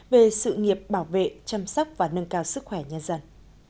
về sự nghiệp bảo vệ chăm sóc và nâng cao sức khỏe nhân dân